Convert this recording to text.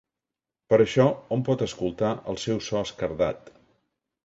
Per això hom pot escoltar el seu so esquerdat.